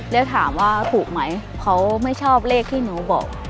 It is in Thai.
แล้วถามว่าถูกไหมเขาไม่ชอบเลขที่หนูบอก